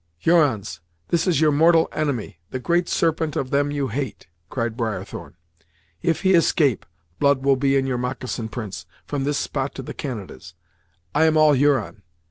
"Hurons, this is your mortal enemy, the Great Serpent of them you hate!" cried Briarthorn. "If he escape, blood will be in your moccasin prints, from this spot to the Canadas. I am all Huron!"